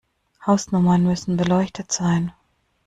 Hausnummern müssen beleuchtet sein.